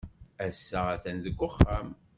Ass-a atan deg uxxam.